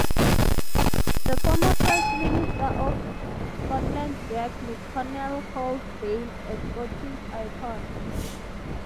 The former First Minister of Scotland Jack McConnell called Bain a Scottish icon.